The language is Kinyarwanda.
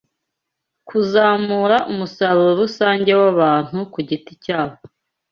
Kuzamura umusaruro rusange w'abantu ku giti cyabo